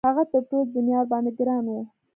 هغه تر ټولې دنیا ورباندې ګران وو.